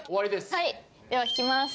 はいでは引きます。